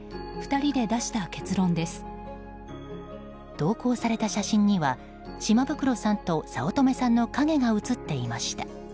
投稿された写真には島袋さんと早乙女さんの影が映っていました。